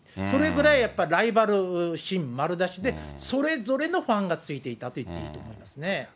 それぐらい、やっぱライバル心丸出しで、それぞれのファンがついていたと言っていいと思いますね。